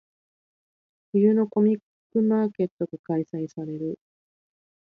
冬のコミックマーケットが開催される。